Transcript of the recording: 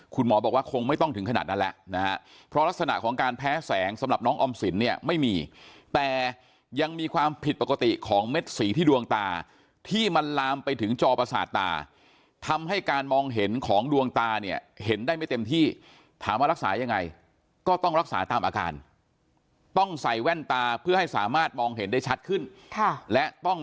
คุณหมอบอกว่าคงไม่ต้องถึงขนาดนั้นแล้วนะฮะเพราะลักษณะของการแพ้แสงสำหรับน้องออมสินเนี่ยไม่มีแต่ยังมีความผิดปกติของเม็ดสีที่ดวงตาที่มันลามไปถึงจอประสาทตาทำให้การมองเห็นของดวงตาเนี่ยเห็นได้ไม่เต็มที่ถามว่ารักษายังไงก็ต้องรักษาตามอาการต้องใส่แว่นตาเพื่อให้สามารถมองเห็นได้ชัดขึ้นค่ะและต้อง